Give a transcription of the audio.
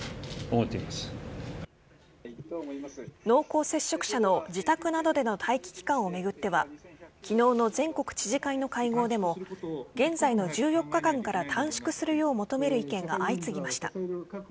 濃厚接触者の自宅などでの待機期間を巡っては昨日の全国知事会の会合でも現在の１４日間から短縮するよう求める意見が相次ぎました。